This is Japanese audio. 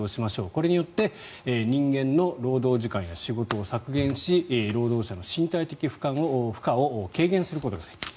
これによって人間の労働時間や仕事を削減し労働者の身体的負荷を軽減することができる。